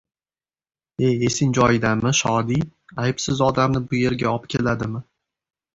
— E, esing joyidami, Shodi! Aybsiz odamni bu yerga obkeladimi?